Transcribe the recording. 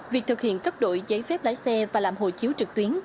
việc thực hiện cấp đổi giấy phép lái xe và làm hồ chiếu trực tuyến